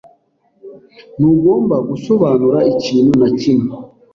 Ntugomba gusobanura ikintu na kimwe.